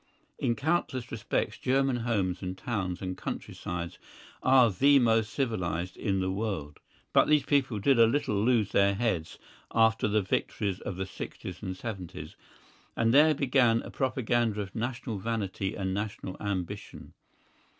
In countless respects German homes and towns and countrysides are the most civilised in the world. But these people did a little lose their heads after the victories of the sixties and seventies, and there began a propaganda of national vanity and national ambition.